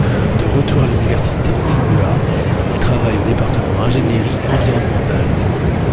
De retour à l'université Tsinghua, il travaille au département ingénierie environnementale.